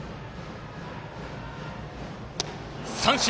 三振。